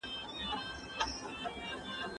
هر دولت بالاخره د زوال خواته ځي.